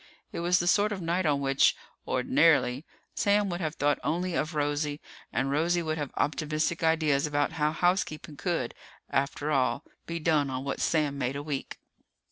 It was the sort of night on which, ordinarily, Sam would have thought only of Rosie, and Rosie would have optimistic ideas about how housekeeping could, after all, be done on what Sam made a week.